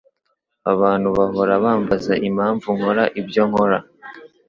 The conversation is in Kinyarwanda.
Abantu bahora bambaza impamvu nkora ibyo nkora.